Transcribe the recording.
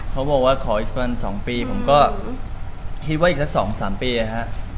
เขาบอกว่าขออีกก่อนสองปีผมก็คิดว่าอีกสักสองสามปีอะฮะ